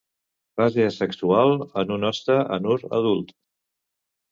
Fase asexual en un hoste anur adult.